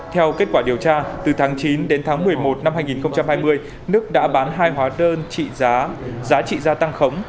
theo kết quả điều tra từ tháng chín đến tháng một mươi một năm hai nghìn hai mươi đức đã bán hai hóa đơn trị giá giá trị gia tăng khống